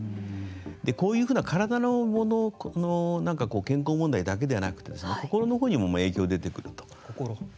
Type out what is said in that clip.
こういうふうな体の健康問題だけではなくて心のほうにも影響が出てくると。